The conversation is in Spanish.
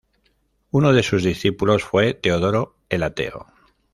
Uno de sus discípulos fue Teodoro, el Ateo.